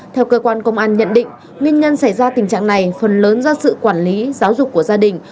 theo cơ quan công an nhận định nguyên nhân xảy ra tình trạng này phần lớn do sự quản lý giáo dục của gia đình